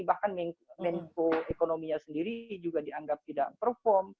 bahkan menko ekonominya sendiri juga dianggap tidak perform